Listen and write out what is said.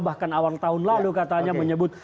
bahkan awal tahun lalu katanya menyebut